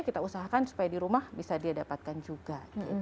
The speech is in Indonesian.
kita usahakan supaya di rumah bisa didapatkan juga